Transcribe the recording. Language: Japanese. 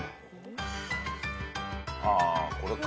あこれか。